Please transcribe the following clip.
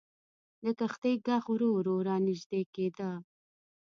د کښتۍ ږغ ورو ورو را نژدې کېده.